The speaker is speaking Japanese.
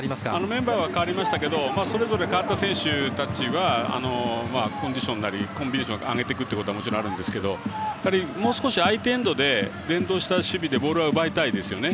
メンバーは代わりましたけどそれぞれ、代わった選手たちはコンディションなりコンビネーションを上げていくのはもちろんあるんですがもう少し相手エンドで連動した守備でボールを奪いたいですよね。